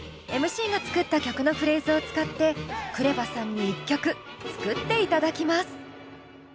ＭＣが作った曲のフレーズを使ってＫＲＥＶＡさんに一曲作っていただきます。